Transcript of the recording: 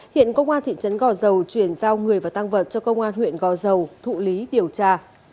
hiện công an thị trấn gò dầu chuyển giao người và tăng vật cho công an huyện gò dầu thụ lý điều tra